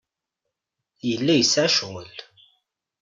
Yella yesɛa ccɣel.